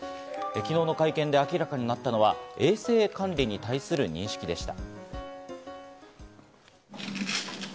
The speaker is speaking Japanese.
昨日の会見で明らかになったのは衛生管理に対する認識でした。